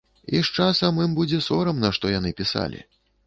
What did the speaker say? І з часам ім будзе сорамна, што яны пісалі.